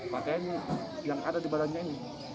pakaian yang ada di badannya ini